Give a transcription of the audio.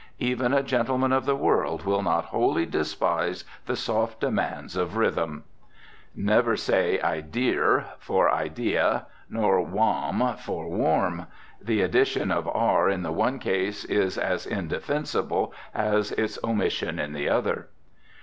Even a gentleman of the world will not wholly despise the soft demands of rhythm. Never say idear for idea, nor wahm for warm. The addition of the r in the one case is as indefensible as its omission in the other.